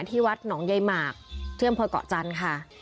ที่วัดหนองใยหมากที่อำเภอกเกาะจันทร์ค่ะ